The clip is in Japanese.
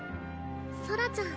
ソラちゃん